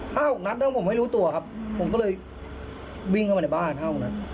เฮ้านัดแล้วผมไม่รู้ตัวครับผมก็เลยวิ่งเข้ามาในบ้านเฮ้านัด